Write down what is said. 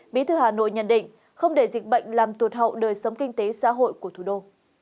bí thư hà nội nhận định không để dịch bệnh làm tuột hậu đời sống kinh tế xã hội của thủ đô